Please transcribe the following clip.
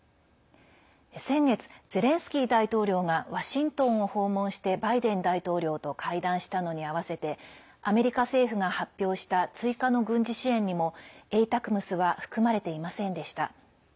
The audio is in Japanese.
先月、ゼレンスキー大統領がワシントンを訪問してバイデン大統領と会談したのにあわせてアメリカ政府が発表した追加の軍事支援にもＡＴＡＣＭＳは含まれていませんでした。